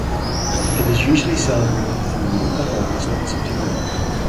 It is usually celebrated in the month of August and September.